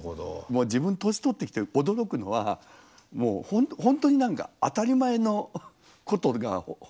もう自分年とってきて驚くのはもうほんとに何か当たり前のことがほんとだったんだなみたいな。